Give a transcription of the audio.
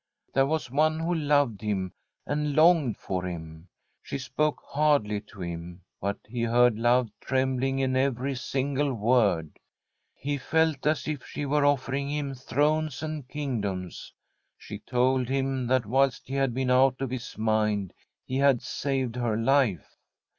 There was one who loved him and longed for him. She spoke hardly to him, but he heard love trembling in every single word. He felt as if she were offering him thrones and kingdoms. She told him that whilst he had been out of his mind he had saved her life.